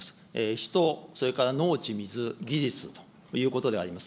人、それから農地、水、技術ということであります。